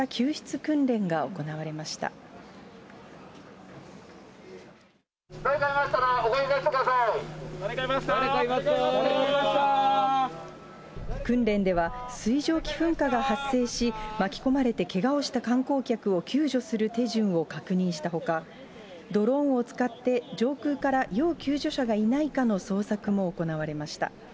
訓練では、水蒸気噴火が発生し、巻き込まれてけがをした観光客を救助する手順を確認したほか、ドローンを使って、上空から要救助者がいないかの捜索も行われました。